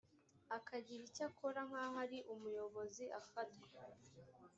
akagira ibyo akora nk aho ari umuyobozi afatwa